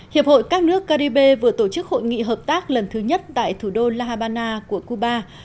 hiệp hội các nước caribe vừa tổ chức hội nghị hợp tác lần thứ nhất tại thủ đô la habana của cuba